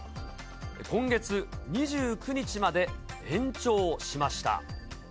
今月２９日まで延長しました。